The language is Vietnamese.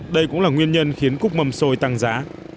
đây cũng là nguyên nhân khiến cúc mâm xôi tăng giá